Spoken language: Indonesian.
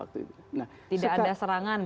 tidak ada serangan